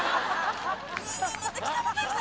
また来たまた来た！